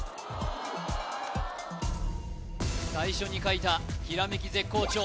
最初に書いたひらめき絶好調